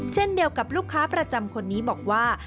เช่นเดียวกับลูกค้าประจำคนนี้บอกว่า